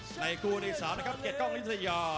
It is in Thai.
ในคู่ที่สามนะครับเกียรติกองอายุทยา